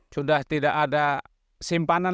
sudah tidak ada simpanan